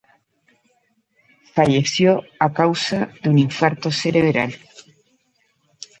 Falleció a causa de un infarto cerebral.